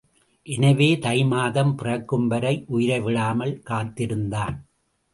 எனவே தை மாதம் பிறக்கும்வரை உயிரைவிடாமல் காத்துஇருந்தான்.